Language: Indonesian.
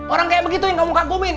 orang kayak begitu yang kamu kampungin